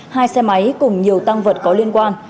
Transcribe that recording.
hai xe máy cùng nhiều tăng vật có liên quan